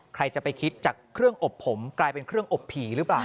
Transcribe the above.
ใครจะไปคิดจากเครื่องอบผมกลายเป็นเครื่องอบผีหรือเปล่า